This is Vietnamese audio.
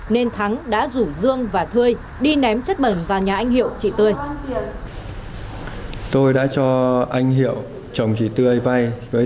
nên thắng đã rủ dương và tươi đi ném chất bẩn vào nhà anh hiệu chị tươi